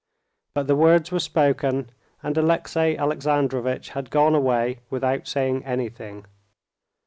But the words were spoken, and Alexey Alexandrovitch had gone away without saying anything.